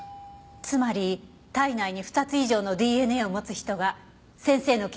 つまり体内に２つ以上のＤＮＡを持つ人が先生の研究に協力している。